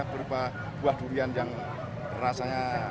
berupa buah durian yang rasanya